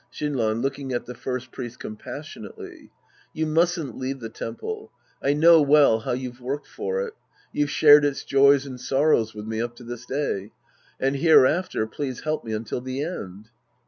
Shinran {looking at the First Priest compassion ately). You mustn't leave the temple. I know well how you've worked for it. You've shared its joys and sorrows with me up to this day. And hereafter please help me until the end.